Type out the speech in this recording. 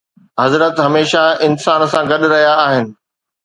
حضرت هميشه انسان سان گڏ رهيا آهن